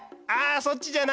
そっちじゃない。